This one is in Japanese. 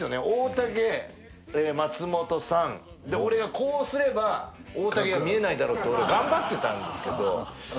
大竹松本さんで俺がこうすれば大竹が見えないだろうと俺頑張ってたんですけど